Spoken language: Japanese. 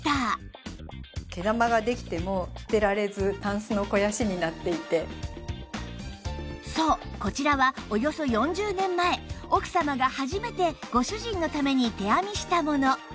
さらになかなか続いてはそうこちらはおよそ４０年前奥様が初めてご主人のために手編みしたもの